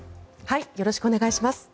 よろしくお願いします。